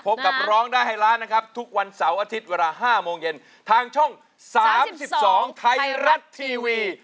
กับร้องได้ให้ล้านนะครับทุกวันเสาร์อาทิตย์เวลา๕โมงเย็นทางช่อง๓๒ไทยรัฐทีวี